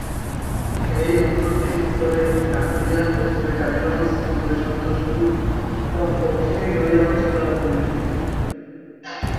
এই অঞ্চল-টি উত্তরে ঢাকুরিয়া, পশ্চিমে টালিগঞ্জ, পূর্বে সন্তোষপুর এবং দক্ষিণে গড়িয়া অঞ্চল দ্বারা পরিবেষ্টিত।